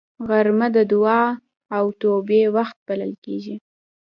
غرمه د دعا او توبې وخت بلل کېږي